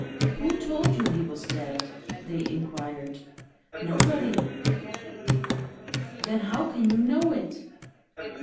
"Who told you he was dead?" they inquired. "Nobody!" "Then how can you know it?"